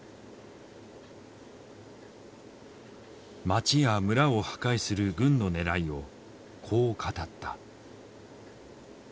町や村を破壊する軍のねらいをこう語った。